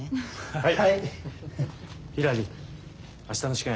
はい。